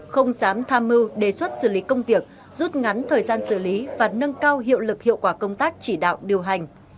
không dám tham mưu đề xuất xử lý công việc rút ngắn thời gian xử lý và nâng cao hiệu lực hiệu quả công tác chỉ đạo điều hành